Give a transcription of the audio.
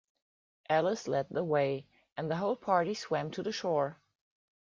Alice led the way, and the whole party swam to the shore.